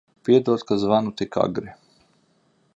Piedod, ka zvanu tik agri.